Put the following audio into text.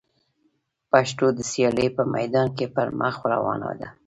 پښتو د سیالۍ په میدان کي پر مخ روانه ده.